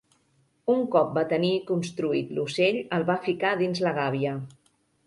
Un cop va tenir construït l'ocell, el va ficar dins la gàbia